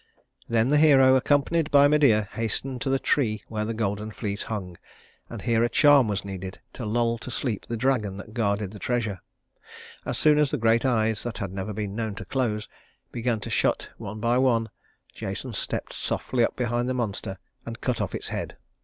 Then the hero, accompanied by Medea, hastened to the tree where the golden fleece hung, and here a charm was needed to lull to sleep the dragon that guarded the treasure. As soon as the great eyes that had never been known to close began to shut one by one, Jason stepped softly up behind the monster and cut off its head.